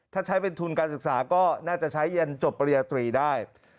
ถ้าใช้เป็นทุนการศึกษาก็น่าจะใช้เย็นจบปริญญาตรีได้